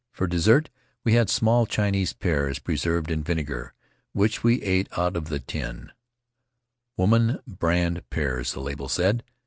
For dessert we had small Chinese pears pre served in vinegar, which we ate out of the tin — "Woman Brand Pears," the label said.